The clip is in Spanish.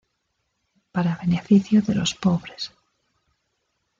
Para beneficio de los pobres.